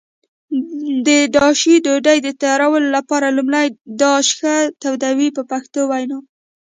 د داشي ډوډۍ تیارولو لپاره لومړی داش ښه تودوي په پښتو وینا.